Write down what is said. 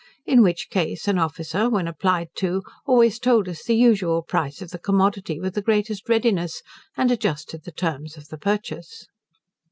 In which case an officer, when applied to, always told us the usual price of the commodity with the greatest readiness, and adjusted the terms of the purchase.